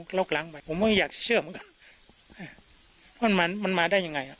ปล่อยลงลอกล้างไปผมก็อยากจะเชื่อมันกันมันมามันมาได้ยังไง